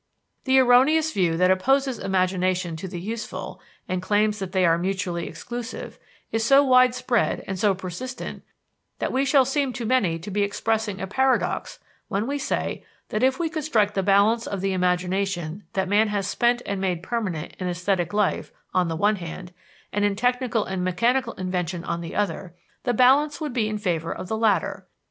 The erroneous view that opposes imagination to the useful, and claims that they are mutually exclusive, is so widespread and so persistent, that we shall seem to many to be expressing a paradox when we say that if we could strike the balance of the imagination that man has spent and made permanent in esthetic life on the one hand, and in technical and mechanical invention on the other, the balance would be in favor of the latter.